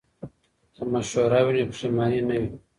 که مشوره وي نو پښیمانی نه وي.